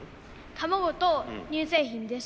卵と乳製品です。